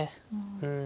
うん。